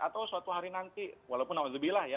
atau suatu hari nanti walaupun alhamdulillah ya